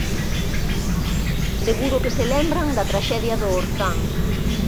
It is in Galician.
Seguro que se lembran da traxedia do Orzán.